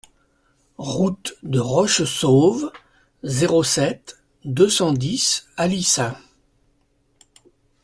Route de Rochessauve, zéro sept, deux cent dix Alissas